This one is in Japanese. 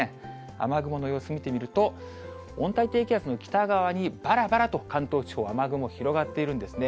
雨雲の様子見てみると、温帯低気圧の北側にばらばらと関東地方、雨雲広がっているんですね。